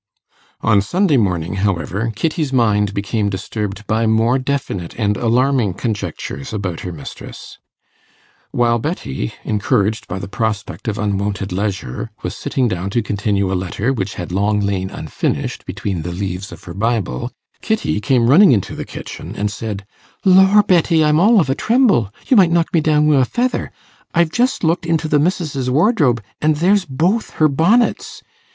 On Sunday morning, however, Kitty's mind became disturbed by more definite and alarming conjectures about her mistress. While Betty, encouraged by the prospect of unwonted leisure, was sitting down to continue a letter which had long lain unfinished between the leaves of her Bible, Kitty came running into the kitchen and said, 'Lor! Betty, I'm all of a tremble; you might knock me down wi' a feather. I've just looked into the missis's wardrobe, an' there's both her bonnets.